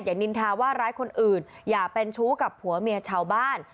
นินทาว่าร้ายคนอื่นอย่าเป็นชู้กับผัวเมียชาวบ้าน